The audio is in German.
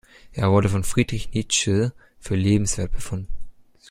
Er wurde von Friedrich Nietzsche für lesenswert befunden.